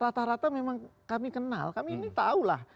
rata rata memang kami kenal kami ini tahu lah